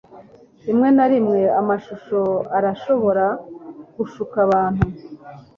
rimwe na rimwe, amashusho arashobora gushuka abantu